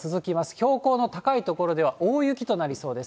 標高の高い所では、大雪となりそうです。